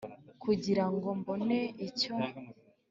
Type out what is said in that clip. Kugira ngo mbone icyo